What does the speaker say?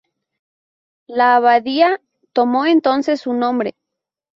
La abadía tomó entonces su nombre.